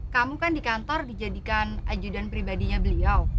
kamu kan di kantor dijadikan ajudan pribadinya beliau